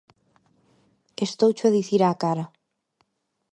_Estoucho a dicir á cara.